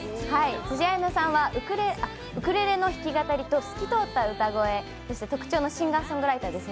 つじあやのさんはウクレレの弾き語りと透き通った歌声が特徴のシンガーソングライターです。